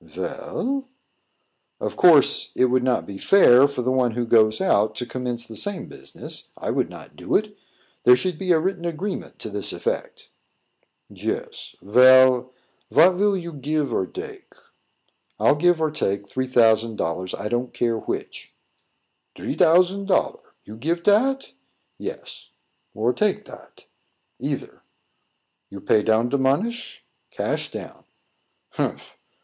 "Vell?" "Of course, it would not be fair for the one who goes out to commence the same business. I would not do it. There should be a written agreement to this effect." "Yes. Vell, vat vill you give or dake?" "I'll give or take three thousand dollars; I don't care which." "Dree dousand dollar! You give dat?" "Yes." "Or take dat?" "Either." "You pay down de monish?" "Cash down." "Humph!